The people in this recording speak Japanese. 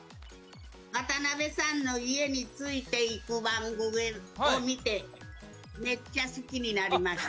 渡辺さんの家についていく番組を見てめっちゃ好きになりました。